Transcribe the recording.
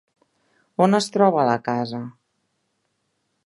On es troba la casa?